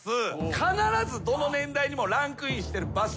必ずどの年代にもランクインしてる場所。